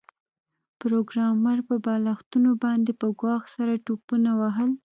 پروګرامر په بالښتونو باندې په ګواښ سره ټوپونه وهل